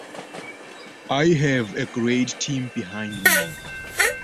I have a great team behind me.